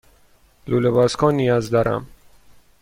لوله بازکن نیاز دارم.